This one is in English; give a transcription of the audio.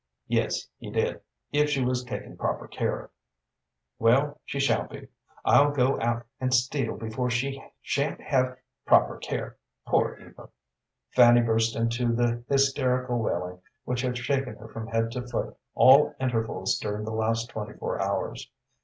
"Yes, he did, if she was taken proper care of." "Well, she shall be. I'll go out and steal before she sha'n't have proper care. Poor Eva!" Fanny burst into the hysterical wailing which had shaken her from head to foot at intervals during the last twenty four hours.